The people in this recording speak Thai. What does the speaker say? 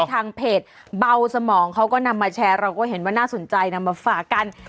ทางเพจเบาสมองเขาก็นำมาแชร์เราก็เห็นว่าน่าสนใจนำมาฝากกัน